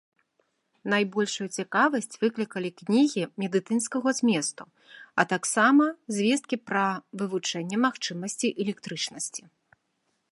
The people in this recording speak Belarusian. Найбольшую цікавасць выклікалі кнігі медыцынскага зместу, а таксама звесткі пра вывучэнне магчымасцей электрычнасці.